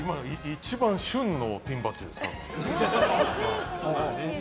一番、旬のピンバッジですよ。